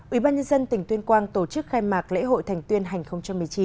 ủy ban nhân dân tỉnh tuyên quang tổ chức khai mạc lễ hội thành tuyên hai nghìn một mươi chín